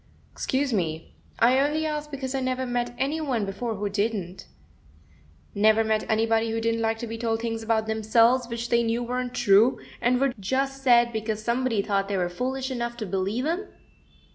"Excuse me; I only asked because I never met any one before who didn't." "Never met anybody who didn't like to be told things about themselves which they knew weren't true, and were just said because somebody thought they were foolish enough to believe 'em?"